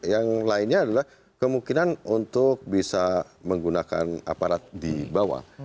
yang lainnya adalah kemungkinan untuk bisa menggunakan aparat di bawah